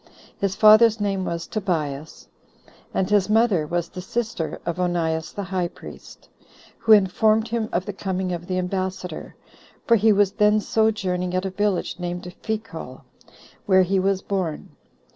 His father's name was Tobias; and his mother was the sister of Onias the high priest, who informed him of the coming of the ambassador; for he was then sojourning at a village named Phicol, 13 where he was born.